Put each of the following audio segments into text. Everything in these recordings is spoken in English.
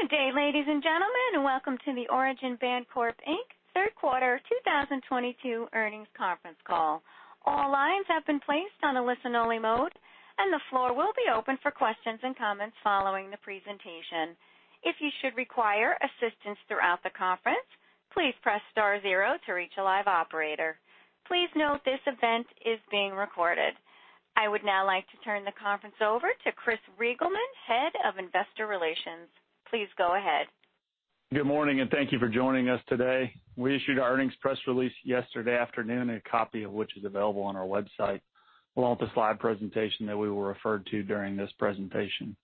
Good day, ladies and gentlemen, and welcome to the Origin Bancorp Inc. Q3 2022 earnings conference call. All lines have been placed on a listen-only mode, and the floor will be open for questions and comments following the presentation. If you should require assistance throughout the conference, please press star zero to reach a live operator. Please note this event is being recorded. I would now like to turn the conference over to Chris Reigelman, head of investor relations. Please go ahead. Good morning, and thank you for joining us today. We issued our earnings press release yesterday afternoon, a copy of which is available on our website, along with the slide presentation that we will refer to during this presentation.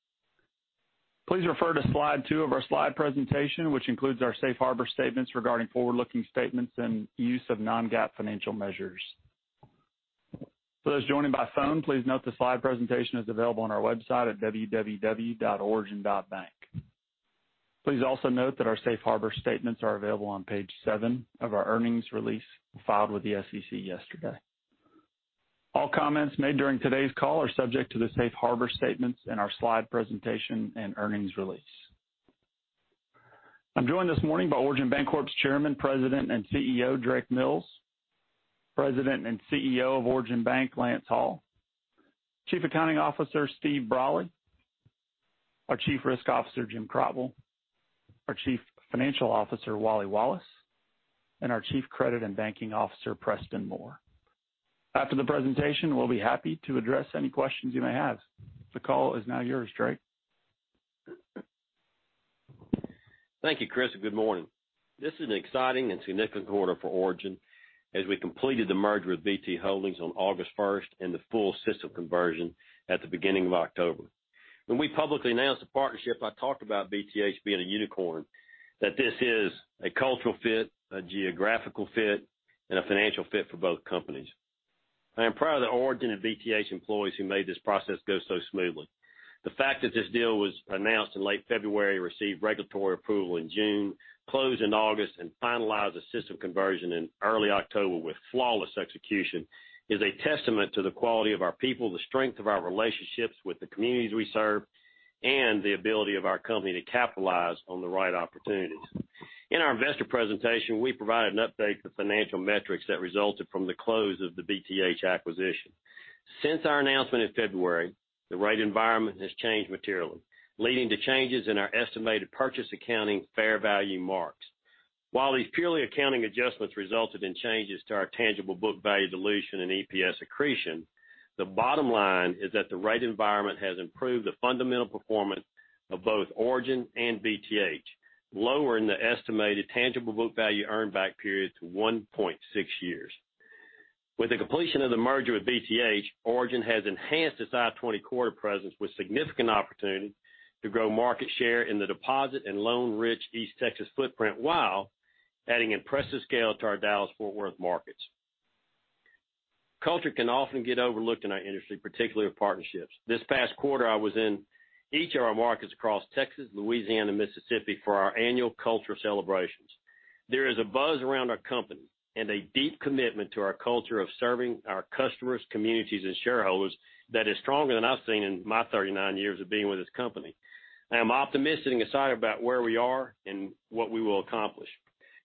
Please refer to slide two of our slide presentation, which includes our safe harbor statements regarding forward-looking statements and use of non-GAAP financial measures. For those joining by phone, please note the slide presentation is available on our website at www.origin.bank. Please also note that our safe harbor statements are available on page seven of our earnings release filed with the SEC yesterday. All comments made during today's call are subject to the safe harbor statements in our slide presentation and earnings release. I'm joined this morning by Origin Bancorp's Chairman, President, and CEO, Drake Mills, President and CEO of Origin Bank, Lance Hall, Chief Accounting Officer, Steve Brolly, our Chief Risk Officer, Jim Crotwell, our Chief Financial Officer, Wally Wallace, and our Chief Credit and Banking Officer, Preston Moore. After the presentation, we'll be happy to address any questions you may have. The call is now yours, Drake. Thank you, Chris, and good morning. This is an exciting and significant quarter for Origin as we completed the merger with BT Holdings on August first and the full system conversion at the beginning of October. When we publicly announced the partnership, I talked about BTH being a unicorn, that this is a cultural fit, a geographical fit, and a financial fit for both companies. I am proud of the Origin and BTH employees who made this process go so smoothly. The fact that this deal was announced in late February, received regulatory approval in June, closed in August, and finalized a system conversion in early October with flawless execution is a testament to the quality of our people, the strength of our relationships with the communities we serve, and the ability of our company to capitalize on the right opportunities. In our investor presentation, we provided an update to financial metrics that resulted from the close of the BTH acquisition. Since our announcement in February, the rate environment has changed materially, leading to changes in our estimated purchase accounting fair value marks. While these purely accounting adjustments resulted in changes to our tangible book value dilution and EPS accretion, the bottom line is that the rate environment has improved the fundamental performance of both Origin and BTH, lowering the estimated tangible book value earn back period to 1.6 years. With the completion of the merger with BTH, Origin has enhanced its I-20 corridor presence with significant opportunity to grow market share in the deposit and loan-rich East Texas footprint while adding impressive scale to our Dallas-Fort Worth markets. Culture can often get overlooked in our industry, particularly with partnerships. This past quarter, I was in each of our markets across Texas, Louisiana, Mississippi for our annual culture celebrations. There is a buzz around our company and a deep commitment to our culture of serving our customers, communities, and shareholders that is stronger than I've seen in my 39 years of being with this company. I am optimistic and excited about where we are and what we will accomplish.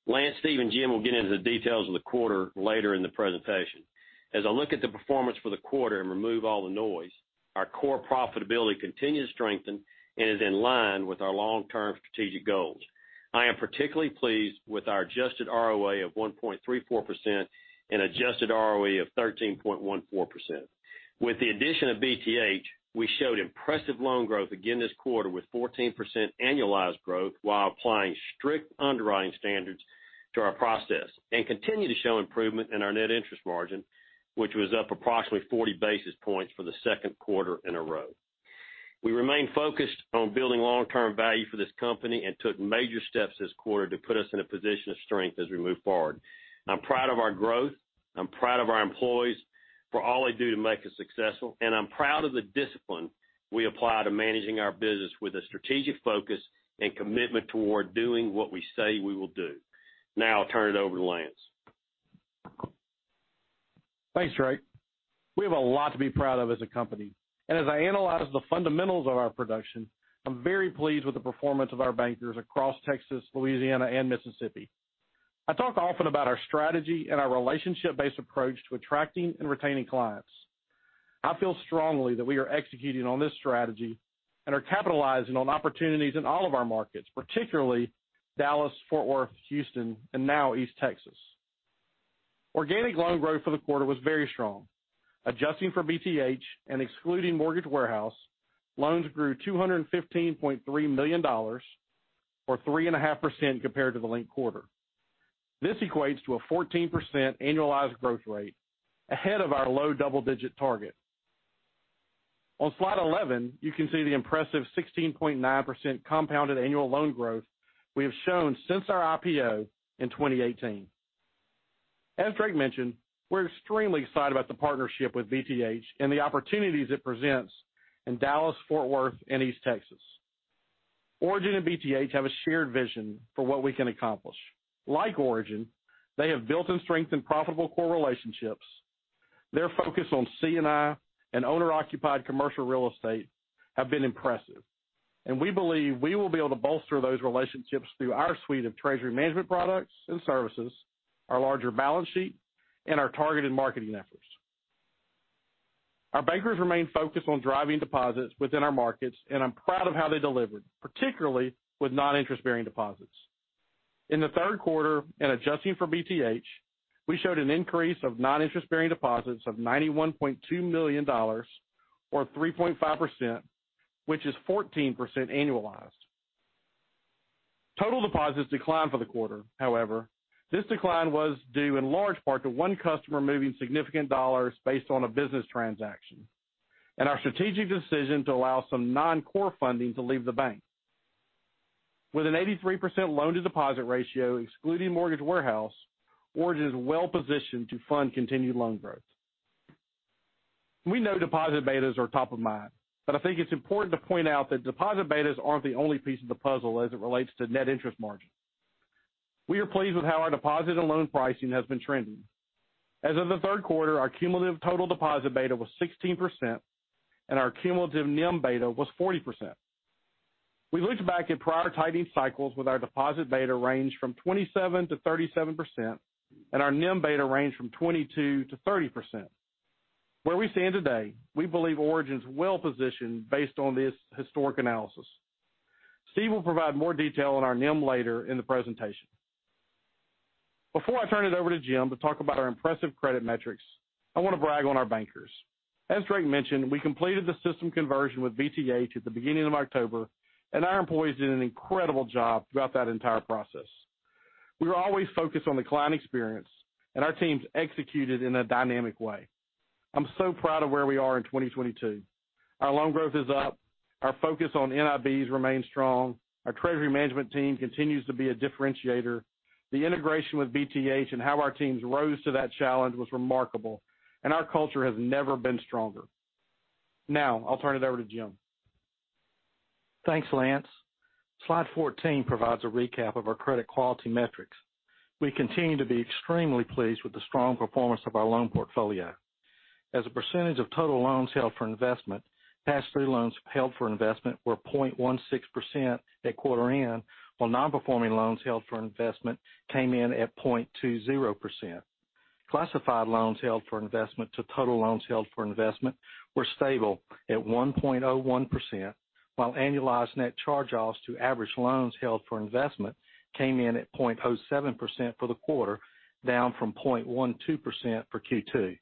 Lance, Steve, and Jim will get into the details of the quarter later in the presentation. As I look at the performance for the quarter and remove all the noise, our core profitability continues to strengthen and is in line with our long-term strategic goals. I am particularly pleased with our adjusted ROA of 1.34% and adjusted ROE of 13.14%. With the addition of BTH, we showed impressive loan growth again this quarter with 14% annualized growth while applying strict underwriting standards to our process and continue to show improvement in our net interest margin, which was up approximately 40 basis points for the second quarter in a row. We remain focused on building long-term value for this company and took major steps this quarter to put us in a position of strength as we move forward. I'm proud of our growth. I'm proud of our employees for all they do to make us successful. I'm proud of the discipline we apply to managing our business with a strategic focus and commitment toward doing what we say we will do. Now, I'll turn it over to Lance. Thanks, Drake. We have a lot to be proud of as a company. As I analyze the fundamentals of our production, I'm very pleased with the performance of our bankers across Texas, Louisiana, and Mississippi. I talk often about our strategy and our relationship-based approach to attracting and retaining clients. I feel strongly that we are executing on this strategy and are capitalizing on opportunities in all of our markets, particularly Dallas, Fort Worth, Houston, and now East Texas. Organic loan growth for the quarter was very strong. Adjusting for BTH and excluding mortgage warehouse, loans grew $215.3 million, or 3.5% compared to the linked quarter. This equates to a 14% annualized growth rate ahead of our low double-digit target. On slide 11, you can see the impressive 16.9% compounded annual loan growth we have shown since our IPO in 2018. As Drake mentioned, we're extremely excited about the partnership with BTH and the opportunities it presents in Dallas, Fort Worth, and East Texas. Origin and BTH have a shared vision for what we can accomplish. Like Origin, they have built and strengthened profitable core relationships. Their focus on C&I and owner-occupied commercial real estate have been impressive, and we believe we will be able to bolster those relationships through our suite of treasury management products and services, our larger balance sheet, and our targeted marketing efforts. Our bankers remain focused on driving deposits within our markets, and I'm proud of how they delivered, particularly with non-interest-bearing deposits. In the Q3 and adjusting for BTH, we showed an increase of non-interest-bearing deposits of $91.2 million or 3.5%, which is 14% annualized. Total deposits declined for the quarter. However, this decline was due in large part to one customer moving significant dollars based on a business transaction and our strategic decision to allow some non-core funding to leave the bank. With an 83% loan-to-deposit ratio excluding mortgage warehouse, Origin is well-positioned to fund continued loan growth. We know deposit betas are top of mind, but I think it's important to point out that deposit betas aren't the only piece of the puzzle as it relates to net interest margin. We are pleased with how our deposit and loan pricing has been trending. As of the Q3, our cumulative total deposit beta was 16% and our cumulative NIM beta was 40%. We looked back at prior tightening cycles with our deposit beta range from 27%-37% and our NIM beta range from 22%-30%. Where we stand today, we believe Origin is well-positioned based on this historic analysis. Steve will provide more detail on our NIM later in the presentation. Before I turn it over to Jim to talk about our impressive credit metrics, I want to brag on our bankers. As Drake mentioned, we completed the system conversion with BTH at the beginning of October, and our employees did an incredible job throughout that entire process. We were always focused on the client experience and our teams executed in a dynamic way. I'm so proud of where we are in 2022. Our loan growth is up, our focus on NIBs remains strong, our treasury management team continues to be a differentiator. The integration with BTH and how our teams rose to that challenge was remarkable, and our culture has never been stronger. Now, I'll turn it over to Jim. Thanks, Lance. Slide 14 provides a recap of our credit quality metrics. We continue to be extremely pleased with the strong performance of our loan portfolio. As a percentage of total loans held for investment, past due loans held for investment were 0.16% at quarter end, while nonperforming loans held for investment came in at 0.20%. Classified loans held for investment to total loans held for investment were stable at 1.01%, while annualized net charge-offs to average loans held for investment came in at 0.07% for the quarter, down from 0.12% for Q2.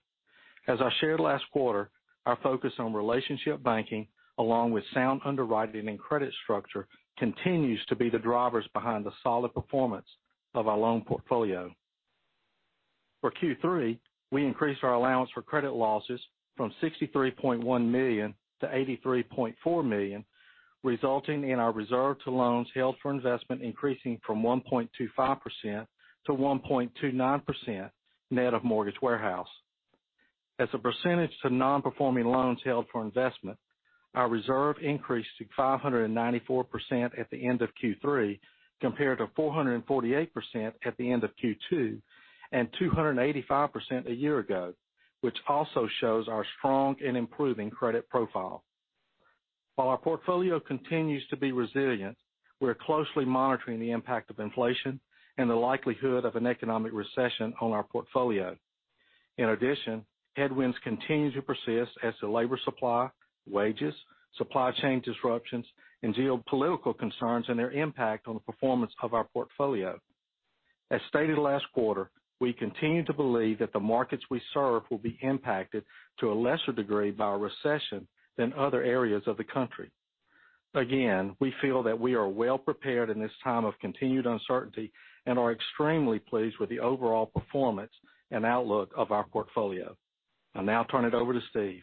As I shared last quarter, our focus on relationship banking, along with sound underwriting and credit structure, continues to be the drivers behind the solid performance of our loan portfolio. For Q3, we increased our allowance for credit losses from $63.1 million-$83.4 million, resulting in our reserve to loans held for investment increasing from 1.25%-1.29% net of mortgage warehouse. As a percentage to non-performing loans held for investment, our reserve increased to 594% at the end of Q3, compared to 448% at the end of Q2 and 285% a year ago, which also shows our strong and improving credit profile. While our portfolio continues to be resilient, we're closely monitoring the impact of inflation and the likelihood of an economic recession on our portfolio. In addition, headwinds continue to persist as to labor supply, wages, supply chain disruptions, and geopolitical concerns and their impact on the performance of our portfolio. As stated last quarter, we continue to believe that the markets we serve will be impacted to a lesser degree by a recession than other areas of the country. Again, we feel that we are well prepared in this time of continued uncertainty and are extremely pleased with the overall performance and outlook of our portfolio. I'll now turn it over to Steve.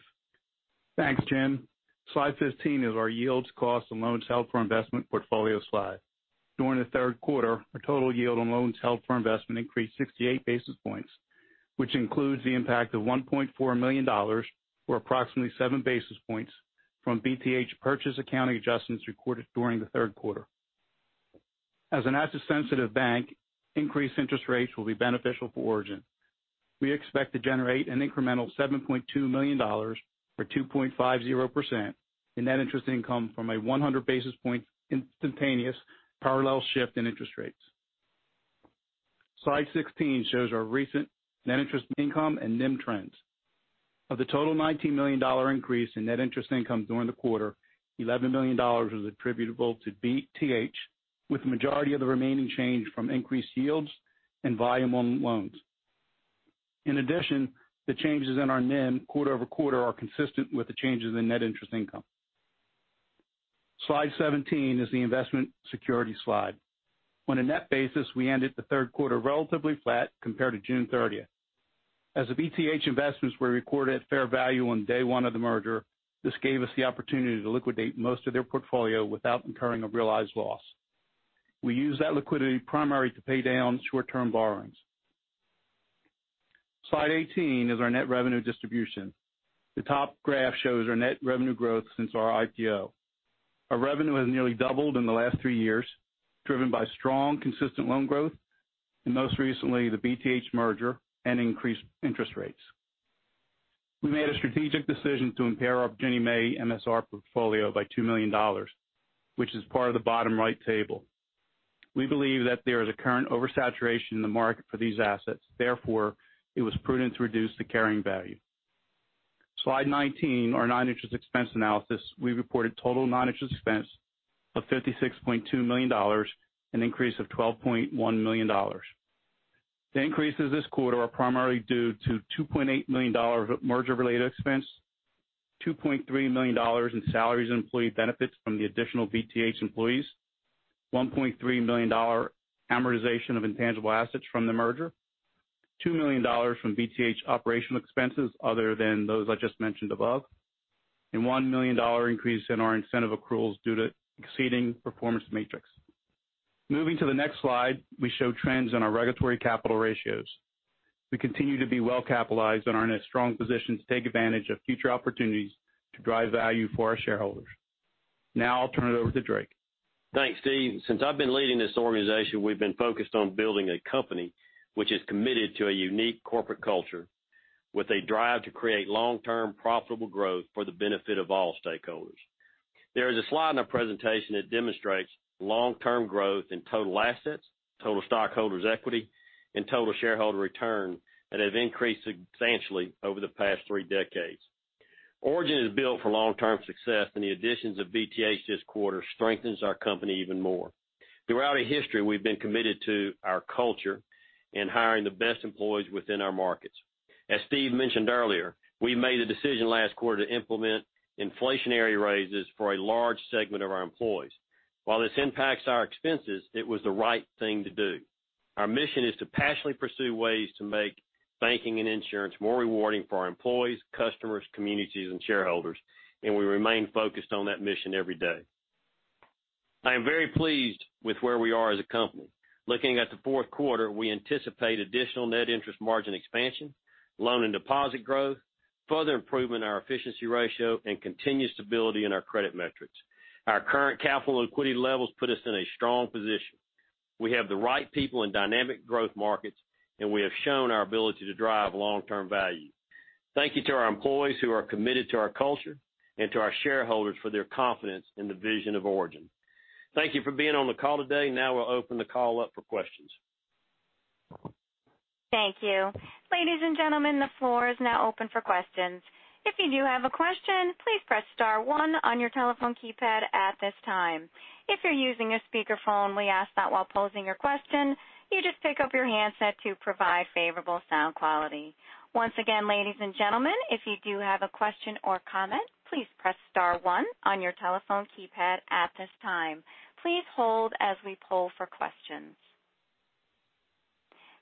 Thanks, Jim. Slide 15 is our yields, costs, and loans held for investment portfolio slide. During the Q3, our total yield on loans held for investment increased 68 basis points, which includes the impact of $1.4 million or approximately 7 basis points from BTH purchase accounting adjustments recorded during the Q3. As an asset-sensitive bank, increased interest rates will be beneficial for Origin. We expect to generate an incremental $7.2 million or 2.50% in net interest income from a 100 basis point instantaneous parallel shift in interest rates. Slide 16 shows our recent net interest income and NIM trends. Of the total $19 million increase in net interest income during the quarter, $11 million was attributable to BTH, with the majority of the remaining change from increased yields and volume on loans. In addition, the changes in our NIM quarter-over-quarter are consistent with the changes in net interest income. Slide 17 is the investment security slide. On a net basis, we ended the Q3 relatively flat compared to June 30. As the BTH investments were recorded at fair value on day one of the merger, this gave us the opportunity to liquidate most of their portfolio without incurring a realized loss. We used that liquidity primarily to pay down short-term borrowings. Slide 18 is our net revenue distribution. The top graph shows our net revenue growth since our IPO. Our revenue has nearly doubled in the last three years, driven by strong, consistent loan growth and most recently, the BTH merger and increased interest rates. We made a strategic decision to impair our Ginnie Mae MSR portfolio by $2 million, which is part of the bottom right table. We believe that there is a current oversaturation in the market for these assets. Therefore, it was prudent to reduce the carrying value. Slide 19, our non-interest expense analysis. We reported total non-interest expense of $56.2 million, an increase of $12.1 million. The increases this quarter are primarily due to $2.8 million of merger-related expense, $2.3 million in salaries and employee benefits from the additional BTH employees, $1.3 million amortization of intangible assets from the merger, $2 million from BTH operational expenses other than those I just mentioned above, and $1 million increase in our incentive accruals due to exceeding performance metrics. Moving to the next slide, we show trends in our regulatory capital ratios. We continue to be well-capitalized and are in a strong position to take advantage of future opportunities to drive value for our shareholders. Now, I'll turn it over to Drake. Thanks, Steve. Since I've been leading this organization, we've been focused on building a company which is committed to a unique corporate culture with a drive to create long-term profitable growth for the benefit of all stakeholders. There is a slide in our presentation that demonstrates long-term growth in total assets, total stockholders' equity and total shareholder return that have increased substantially over the past three decades. Origin is built for long-term success, and the additions of BTH this quarter strengthens our company even more. Throughout our history, we've been committed to our culture and hiring the best employees within our markets. As Steve mentioned earlier, we made a decision last quarter to implement inflationary raises for a large segment of our employees. While this impacts our expenses, it was the right thing to do. Our mission is to passionately pursue ways to make banking and insurance more rewarding for our employees, customers, communities, and shareholders, and we remain focused on that mission every day. I am very pleased with where we are as a company. Looking at the Q4, we anticipate additional net interest margin expansion, loan and deposit growth, further improvement in our efficiency ratio, and continued stability in our credit metrics. Our current capital and liquidity levels put us in a strong position. We have the right people in dynamic growth markets, and we have shown our ability to drive long-term value. Thank you to our employees who are committed to our culture and to our shareholders for their confidence in the vision of Origin. Thank you for being on the call today. Now we'll open the call up for questions. Thank you. Ladies and gentlemen, the floor is now open for questions. If you do have a question, please press star one on your telephone keypad at this time. If you're using a speakerphone, we ask that while posing your question, you just pick up your handset to provide favorable sound quality. Once again, ladies and gentlemen, if you do have a question or comment, please press star one on your telephone keypad at this time. Please hold as we poll for questions.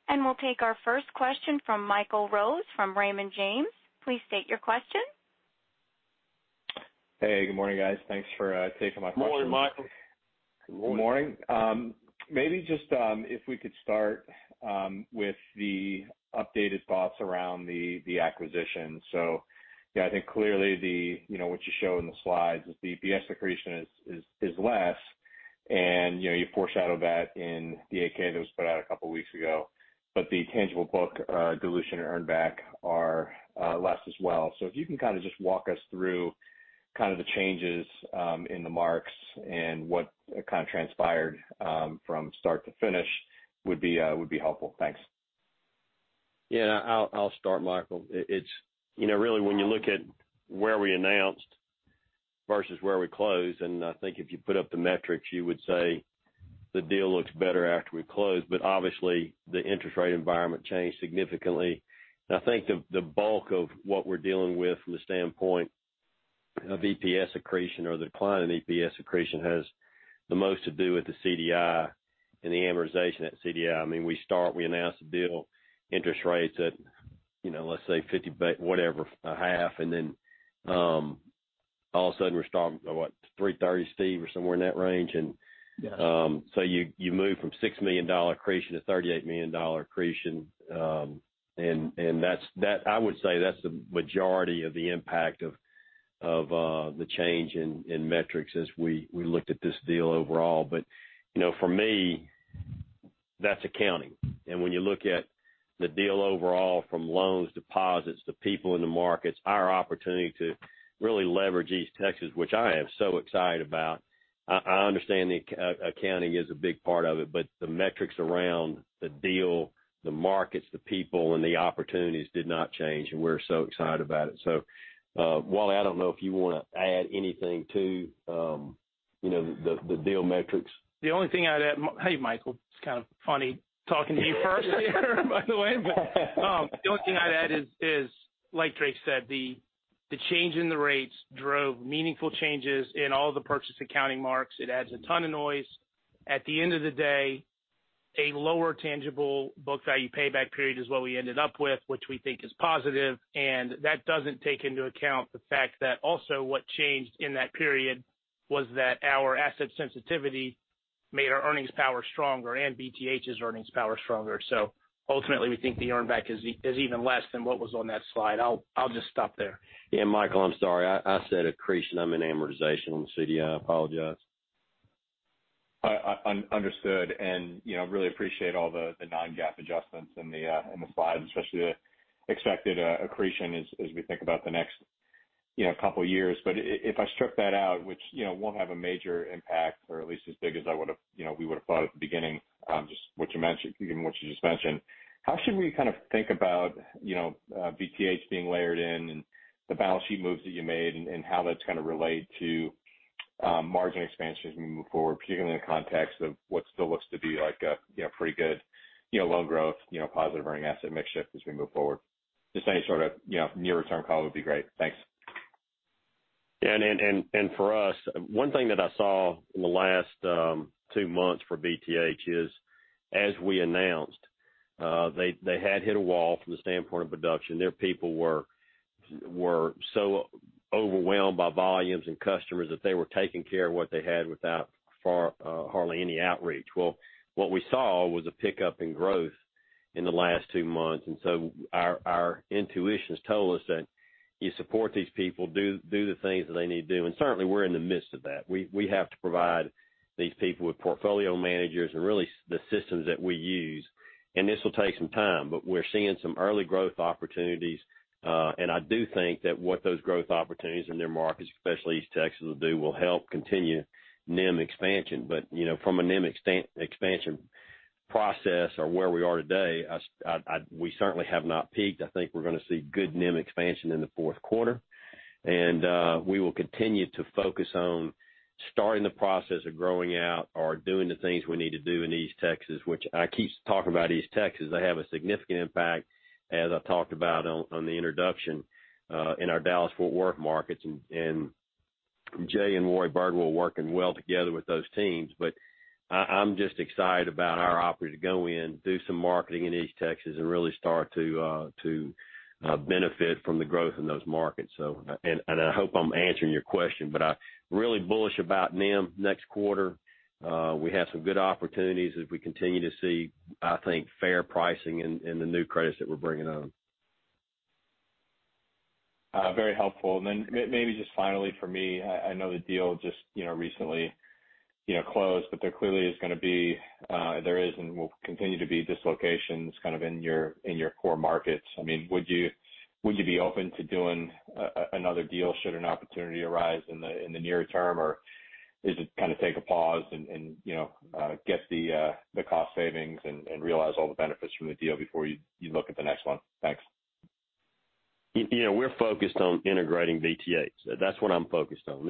We'll take our first question from Michael Rose from Raymond James. Please state your question. Hey, good morning, guys. Thanks for taking my question. Morning, Michael. Good morning. Maybe just if we could start with the updated thoughts around the acquisition. Yeah, I think clearly the, you know, what you show in the slides is the EPS accretion is less and, you know, you foreshadowed that in the 8-K that was put out a couple of weeks ago, but the tangible book dilution earn back are less as well. If you can kind of just walk us through kind of the changes in the marks and what kind of transpired from start to finish would be helpful. Thanks. Yeah, I'll start, Michael. It's, you know, really when you look at where we announced versus where we closed, and I think if you put up the metrics, you would say the deal looks better after we closed. Obviously, the interest rate environment changed significantly. I think the bulk of what we're dealing with from the standpoint of EPS accretion or the decline in EPS accretion has the most to do with the CDI and the amortization at CDI. I mean, we announce the deal, interest rates at, you know, let's say 50 whatever, a half. Then, all of a sudden we're starting at what, 3.30, Steve, or somewhere in that range. Yes. You move from $6 million accretion to $38 million accretion. That's the majority of the impact of the change in metrics as we looked at this deal overall. You know, for me, that's accounting. When you look at the deal overall from loans, deposits, the people in the markets, our opportunity to really leverage East Texas, which I am so excited about, I understand the accounting is a big part of it, but the metrics around the deal, the markets, the people and the opportunities did not change, and we're so excited about it. Wally, I don't know if you wanna add anything to you know, the deal metrics. The only thing I'd add. Hey, Michael, it's kind of funny talking to you first here, by the way. The only thing I'd add is, like Drake said, the change in the rates drove meaningful changes in all the purchase accounting marks. It adds a ton of noise. At the end of the day, a lower tangible book value payback period is what we ended up with, which we think is positive, and that doesn't take into account the fact that also what changed in that period was that our asset sensitivity. Made our earnings power stronger and BTH's earnings power stronger. Ultimately, we think the earnback is even less than what was on that slide. I'll just stop there. Yeah, Michael, I'm sorry. I said accretion, I mean amortization on the CDI. I apologize. Understood, you know, really appreciate all the non-GAAP adjustments in the slides, especially the expected accretion as we think about the next, you know, couple years. If I strip that out, which, you know, won't have a major impact, or at least as big as I would have, you know, we would have thought at the beginning, just what you mentioned, given what you just mentioned. How should we kind of think about, you know, BTH being layered in and the balance sheet moves that you made and how that's gonna relate to margin expansions as we move forward, particularly in the context of what still looks to be like a, you know, pretty good loan growth, you know, positive earning asset mix shift as we move forward. Just any sort of, you know, near-term call would be great. Thanks. For us, one thing that I saw in the last two months for BTH is, as we announced, they had hit a wall from the standpoint of production. Their people were so overwhelmed by volumes and customers that they were taking care of what they had without hardly any outreach. Well, what we saw was a pickup in growth in the last two months. Our intuitions told us that you support these people, do the things that they need to do. Certainly, we're in the midst of that. We have to provide these people with portfolio managers and really the systems that we use. This will take some time, but we're seeing some early growth opportunities. I do think that what those growth opportunities in their markets, especially East Texas, will do, will help continue NIM expansion. You know, from a NIM expansion process or where we are today, we certainly have not peaked. I think we're gonna see good NIM expansion in the Q4. We will continue to focus on starting the process of growing out or doing the things we need to do in East Texas, which I keep talking about East Texas. They have a significant impact, as I talked about in the introduction, in our Dallas-Fort Worth markets. Jay and Roy Burgess will work well together with those teams. I'm just excited about our opportunity to go in, do some marketing in East Texas and really start to benefit from the growth in those markets. And I hope I'm answering your question, but I'm really bullish about NIM next quarter. We have some good opportunities as we continue to see, I think, fair pricing in the new credits that we're bringing on. Very helpful. Then maybe just finally for me, I know the deal just, you know, recently, you know, closed, but there clearly is gonna be, there is and will continue to be dislocations kind of in your, in your core markets. I mean, would you be open to doing another deal should an opportunity arise in the near term? Or is it kind of take a pause and, you know, get the cost savings and realize all the benefits from the deal before you look at the next one? Thanks. You know, we're focused on integrating BTH. That's what I'm focused on.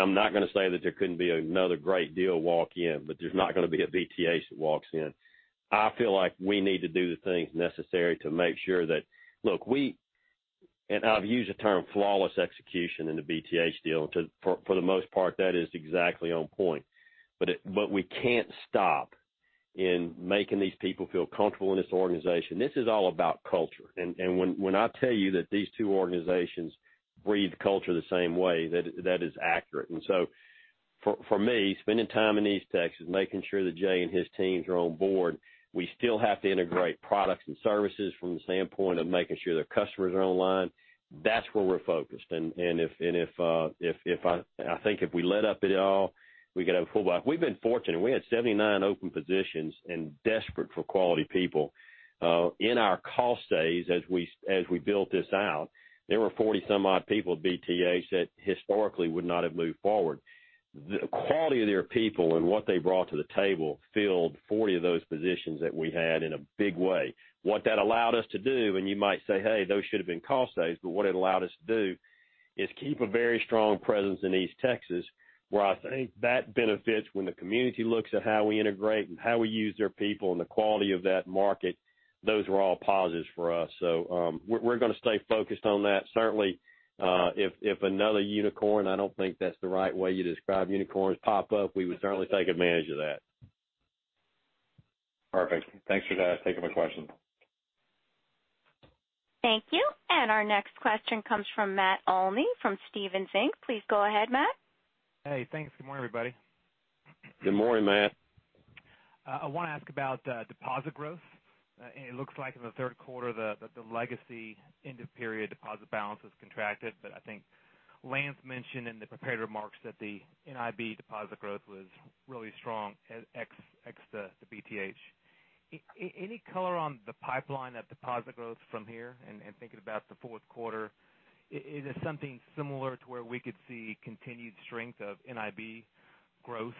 I'm not gonna say that there couldn't be another great deal walk in, but there's not gonna be a BTH that walks in. I feel like we need to do the things necessary to make sure that, look, we have used the term flawless execution in the BTH deal, for the most part, that is exactly on point. But we can't stop in making these people feel comfortable in this organization. This is all about culture. When I tell you that these two organizations breathe culture the same way, that is accurate. For me, spending time in East Texas, making sure that Jay and his teams are on board, we still have to integrate products and services from the standpoint of making sure their customers are online. That's where we're focused. I think if we let up at all, we could have a full block. We've been fortunate. We had 79 open positions and desperate for quality people. In our cost saves, as we built this out, there were 40 some odd people at BTH that historically would not have moved forward. The quality of their people and what they brought to the table filled 40 of those positions that we had in a big way. What that allowed us to do, and you might say, hey, those should have been cost saves, but what it allowed us to do is keep a very strong presence in East Texas, where I think that benefits when the community looks at how we integrate and how we use their people and the quality of that market. Those are all positives for us. We're gonna stay focused on that. Certainly, if another unicorn, I don't think that's the right way you describe unicorns, pop up, we would certainly take advantage of that. Perfect. Thanks for that. Taking my questions. Thank you. Our next question comes from Matt Olney from Stephens Inc. Please go ahead, Matt. Hey, thanks. Good morning, everybody. Good morning, Matt. I wanna ask about deposit growth. It looks like in the Q3, the legacy end of period deposit balance has contracted. I think Lance mentioned in the prepared remarks that the NIB deposit growth was really strong ex the BTH. Any color on the pipeline of deposit growth from here and thinking about the Q4, is it something similar to where we could see continued strength of NIB growth,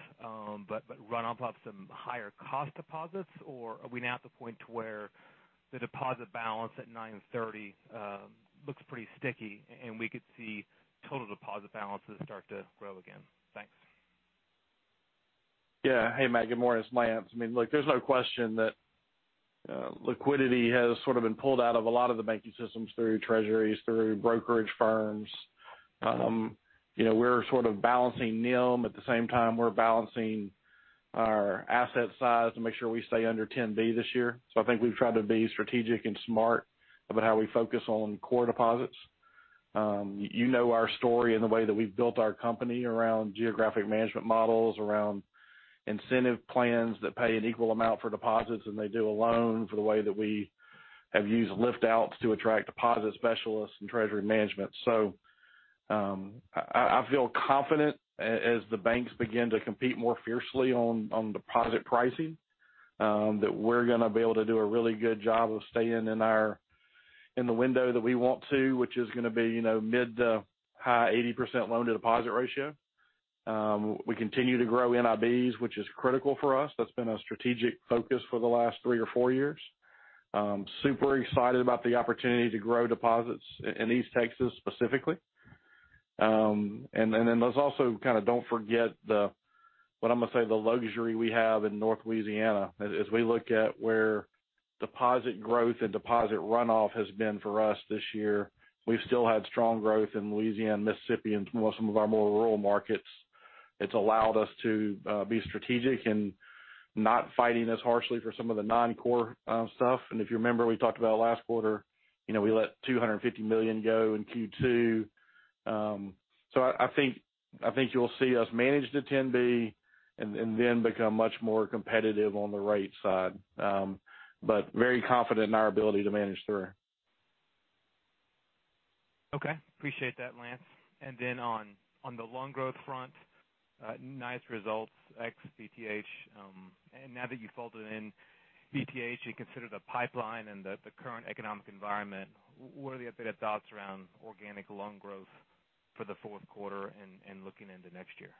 but runoff of some higher cost deposits? Or are we now at the point where the deposit balance at nine and 30 looks pretty sticky, and we could see total deposit balances start to grow again? Thanks. Yeah. Hey, Matt, good morning. It's Lance. I mean, look, there's no question that liquidity has sort of been pulled out of a lot of the banking systems through treasuries, through brokerage firms. You know, we're sort of balancing NIM. At the same time, we're balancing our asset size to make sure we stay under $10 billion this year. I think we've tried to be strategic and smart about how we focus on core deposits. You know our story and the way that we've built our company around geographic management models, around incentive plans that pay an equal amount for deposits than they do a loan, for the way that we have used lift outs to attract deposit specialists and treasury management. I feel confident as the banks begin to compete more fiercely on deposit pricing, that we're gonna be able to do a really good job of staying in our window that we want to, which is gonna be, you know, mid- to high 80% loan-to-deposit ratio. We continue to grow NIMs, which is critical for us. That's been a strategic focus for the last three or four years. Super excited about the opportunity to grow deposits in East Texas specifically. And then let's also kind of don't forget the, what I'm going to say, the luxury we have in North Louisiana. As we look at where deposit growth and deposit runoff has been for us this year, we've still had strong growth in Louisiana and Mississippi and some of our more rural markets. It's allowed us to be strategic and not fighting as harshly for some of the non-core stuff. If you remember, we talked about it last quarter, you know, we let $250 million go in Q2. I think you'll see us manage to $10 billion and then become much more competitive on the rate side. Very confident in our ability to manage through. Okay. Appreciate that, Lance. Then on the loan growth front, nice results, ex-BTH. Now that you folded in BTH, you consider the pipeline and the current economic environment, what are the updated thoughts around organic loan growth for the Q4 and looking into next year?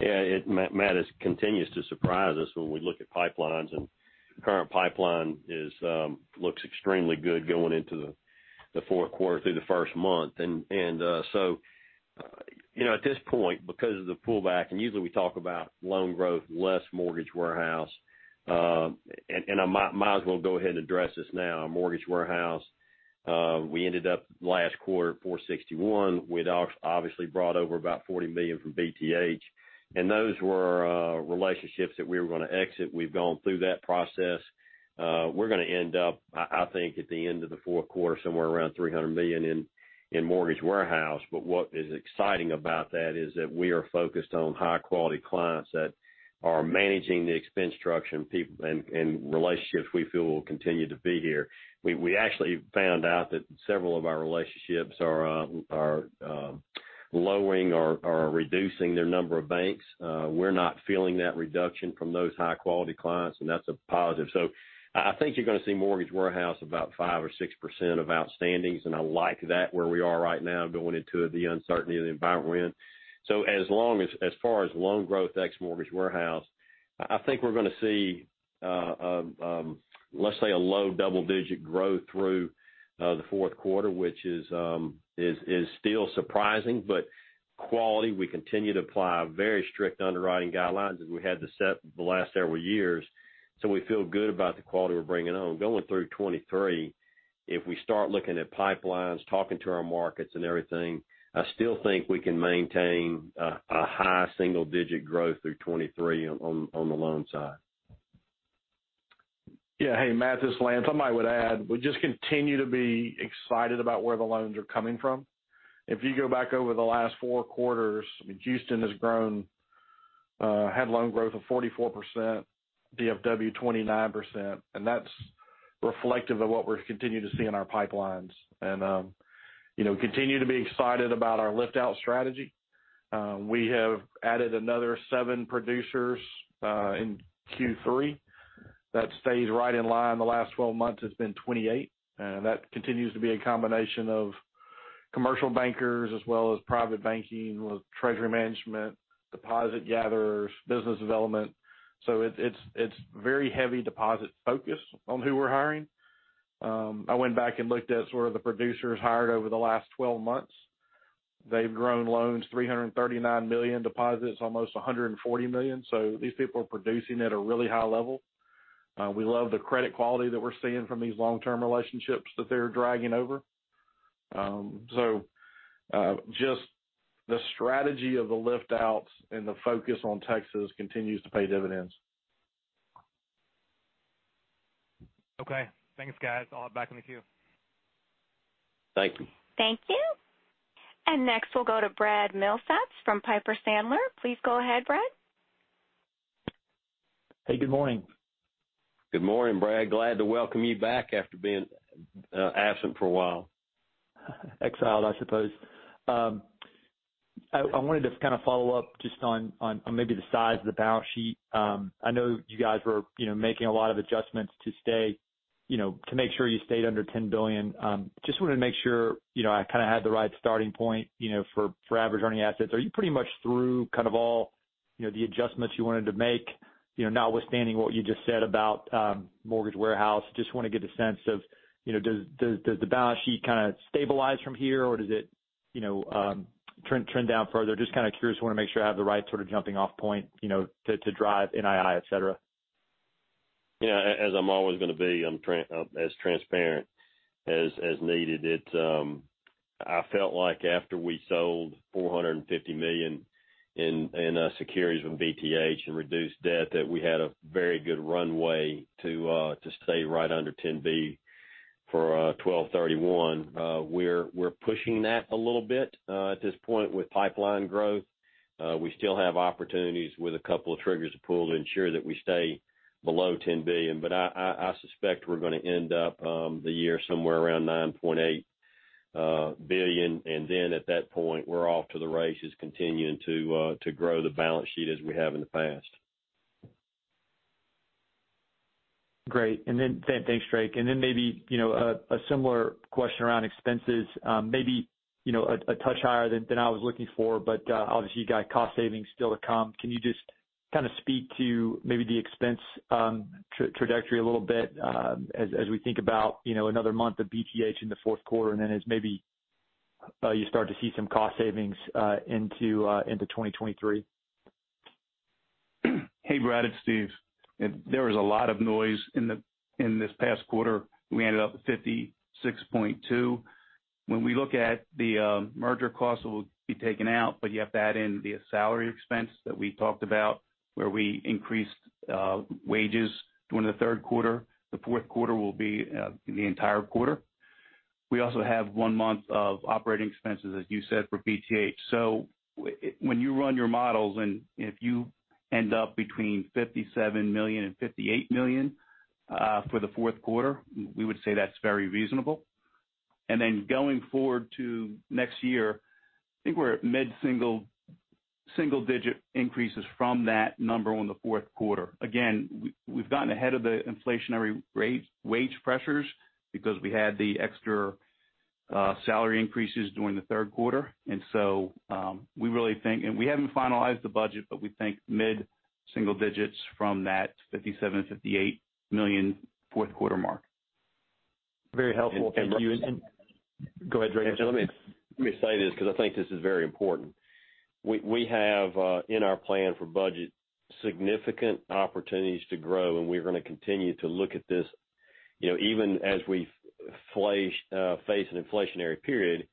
Yeah, Matt, it continues to surprise us when we look at pipelines, and current pipeline looks extremely good going into the Q4 through the first month. You know, at this point, because of the pullback, usually we talk about loan growth, less mortgage warehouse, and I might as well go ahead and address this now. Our mortgage warehouse, we ended up last quarter $461 million. We'd obviously brought over about $40 million from BTH, and those were relationships that we were going to exit. We've gone through that process. We're going to end up, I think at the end of the Q4, somewhere around $300 million in mortgage warehouse. What is exciting about that is that we are focused on high-quality clients that are managing the expense structure and relationships we feel will continue to be here. We actually found out that several of our relationships are lowering or reducing their number of banks. We're not feeling that reduction from those high-quality clients, and that's a positive. I think you're going to see mortgage warehouse about 5 or 6% of outstandings, and I like that where we are right now going into the uncertainty of the environment. As far as loan growth, ex mortgage warehouse, I think we're going to see, let's say a low double-digit growth through the Q4, which is still surprising. Quality, we continue to apply very strict underwriting guidelines as we have set the last several years. We feel good about the quality we're bringing on. Going through 2023, if we start looking at pipelines, talking to our markets and everything, I still think we can maintain a high single-digit growth through 2023 on the loan side. Hey, Matt, this is Lance. I might would add, we just continue to be excited about where the loans are coming from. If you go back over the last four quarters, I mean, Houston has grown, had loan growth of 44%, DFW 29%, and that's reflective of what we're continuing to see in our pipelines. You know, we continue to be excited about our lift out strategy. We have added another seven producers in Q3. That stays right in line. The last 12 months has been 28. That continues to be a combination of commercial bankers as well as private banking with treasury management, deposit gatherers, business development. It's very heavy deposit focus on who we're hiring. I went back and looked at sort of the producers hired over the last 12 months. They've grown loans $339 million, deposits almost $140 million. These people are producing at a really high level. We love the credit quality that we're seeing from these long-term relationships that they're dragging over. Just the strategy of the lift outs and the focus on Texas continues to pay dividends. Okay. Thanks, guys. I'll hop back in the queue. Thank you. Thank you. Next, we'll go to Brad Milsaps from Piper Sandler. Please go ahead, Brad. Hey, good morning. Good morning, Brad. Glad to welcome you back after being absent for a while. Exile, I suppose. I wanted to kind of follow up just on maybe the size of the balance sheet. I know you guys were, you know, making a lot of adjustments to stay, you know, to make sure you stayed under $10 billion. Just wanted to make sure, you know, I kind of had the right starting point, you know, for average earning assets. Are you pretty much through kind of all, you know, the adjustments you wanted to make? You know, notwithstanding what you just said about mortgage warehouse, just want to get a sense of, you know, does the balance sheet kind of stabilize from here, or does it, you know, trend down further? Just kind of curious, want to make sure I have the right sort of jumping off point, you know, to drive NII, et cetera. Yeah. As I'm always going to be, I'm as transparent as needed. I felt like after we sold $450 million in securities with BTH and reduced debt that we had a very good runway to stay right under $10 billion for 12/31. We're pushing that a little bit at this point with pipeline growth. We still have opportunities with a couple of triggers to pull to ensure that we stay below $10 billion. I suspect we're gonna end up the year somewhere around $9.8 billion. At that point, we're off to the races continuing to grow the balance sheet as we have in the past. Great. Thanks, Drake. Maybe, you know, a similar question around expenses, maybe, you know, a touch higher than I was looking for, but obviously you've got cost savings still to come. Can you just kind of speak to maybe the expense trajectory a little bit, as we think about, you know, another month of BTH in the fourth quarter, and then as maybe you start to see some cost savings into 2023? Hey, Brad, it's Steve. There was a lot of noise in this past quarter. We ended up at $56.2 million. When we look at the merger costs that will be taken out, but you have to add in the salary expense that we talked about, where we increased wages during the Q3. The Q4 will be the entire quarter. We also have one month of operating expenses, as you said, for BTH. When you run your models and if you end up between $57 million and $58 million for the Q4, we would say that's very reasonable. Then going forward to next year, I think we're at mid-single-digit increases from that number on the Q4. Again, we've gotten ahead of the inflationary rate, wage pressures because we had the extra salary increases during the Q3. We really think we haven't finalized the budget, but we think mid-single digits from that $57 million-$58 million Q4 mark. Very helpful. Brad- Go ahead, Drake. Let me say this because I think this is very important. We have in our plan for budget, significant opportunities to grow, and we're gonna continue to look at this, you know, even as we face an inflationary period,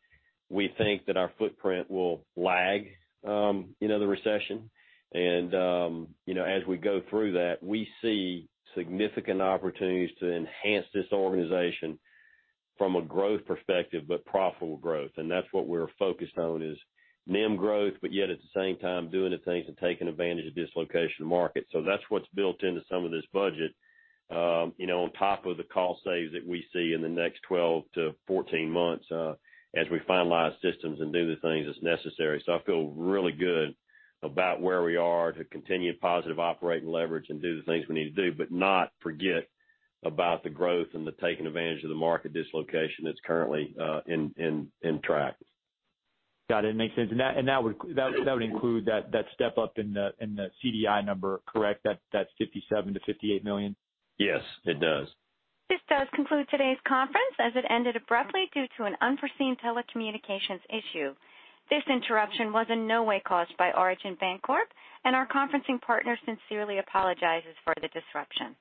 we think that our footprint will lag, you know, the recession. You know, as we go through that, we see significant opportunities to enhance this organization from a growth perspective, but profitable growth. That's what we're focused on is NIM growth, but yet at the same time, doing the things and taking advantage of dislocated market. That's what's built into some of this budget. You know, on top of the cost savings that we see in the next 12-14 months, as we finalize systems and do the things that's necessary. I feel really good about where we are to continue positive operating leverage and do the things we need to do, but not forget about the growth and the taking advantage of the market dislocation that's currently intact. Got it. Makes sense. That would include that step up in the CDI number, correct? That's $57 million-$58 million? Yes, it does. This does conclude today's conference as it ended abruptly due to an unforeseen telecommunications issue. This interruption was in no way caused by Origin Bancorp, and our conferencing partner sincerely apologizes for the disruption.